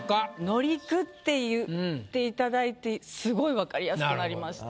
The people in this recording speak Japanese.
「乗り来」って言っていただいてすごい分かりやすくなりました。